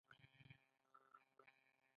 ایا زه باید خوله وکړم؟